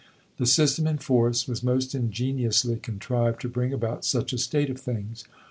The system in force was most ingeniously contrived to bring about such a state of things.